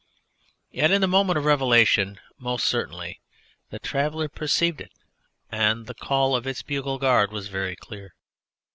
Yet in the moment of revelation most certainly the traveller perceived it, and the call of its bugle guard was very clear.